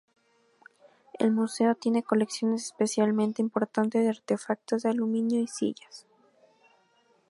El museo tiene colecciones especialmente importantes de artefactos de aluminio y sillas.